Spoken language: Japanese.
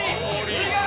違う！